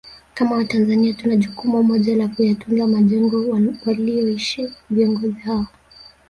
Kama Watanzania tuna jukumu moja tu la Kuyatunza majengo waliyoishi viongozi hao